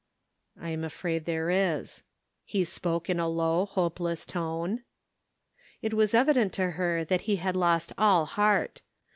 " "I am afraid there is," he spoke in a low, hopeless tone. It was evident to her that he had lost all heart.